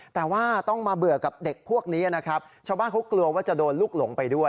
แต่ว่าต้องมาเบื่อกับเด็กพวกนี้นะครับชาวบ้านเขากลัวว่าจะโดนลูกหลงไปด้วย